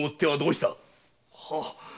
はっ。